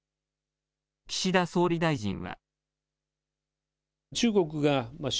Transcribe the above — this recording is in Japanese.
岸田総理大臣は。